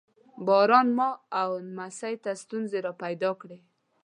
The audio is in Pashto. باران ما او نمسۍ ته ستونزې را پیدا کړې.